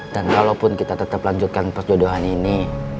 dan walaupun kita tetap lanjutkan perjodohan ini